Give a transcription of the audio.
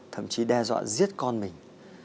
thậm chí đe dọa giết con mình